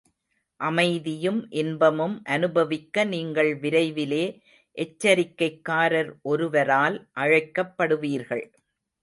அமைதியும், இன்பமும் அனுபவிக்க நீங்கள் விரைவிலே, எச்சரிக்கைக்காரர் ஒருவரால் அழைக்கப்படுவீர்கள்.